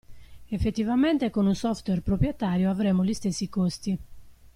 Effettivamente con un software proprietario avremo gli stessi costi.